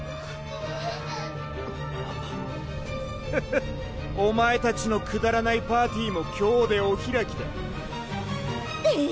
フフッお前たちのくだらないパーティも今日でお開きだえぇ？